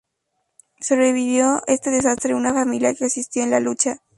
Sobrevivió este desastre una familia que asistió en la lucha.